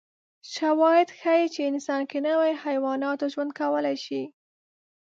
شواهد ښيي چې انسان که نه وای، حیواناتو ژوند کولای شوی.